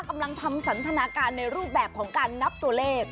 กำลังทำสันทนาการในรูปแบบของการนับตัวเลข